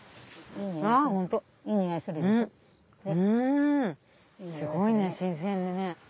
うんすごいね新鮮でね。